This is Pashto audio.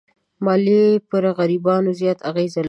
مالیې پر غریبانو زیات اغېز لري.